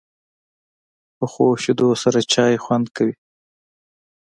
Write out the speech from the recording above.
پخو شیدو سره چای خوند کوي